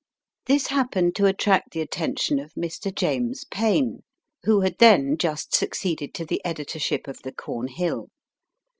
This happened to attract the attention of Mr. James Payn, who had then just succeeded to the editorship of the CornJiill.